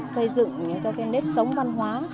xây dựng những cái nếp sống văn hóa